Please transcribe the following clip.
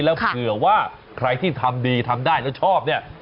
แล้วเผื่อว่าใครที่ทำดีทำได้แล้วชอบเนี่ย